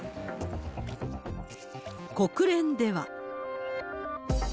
国連では。